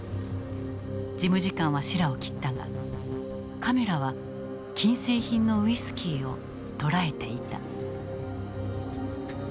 事務次官はしらを切ったがカメラは禁制品のウイスキーを捉えていた。